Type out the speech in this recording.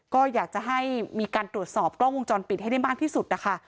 ก็อยากจะให้มีการตรวจสอบกล้องวงจรปิดให้ได้มากที่สุดนะคะ